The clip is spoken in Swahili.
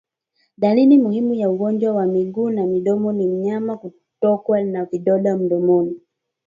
Dalili muhimu ya ugonjwa wa miguu na midomo ni mnyama kutokwa na vidonda mdomoni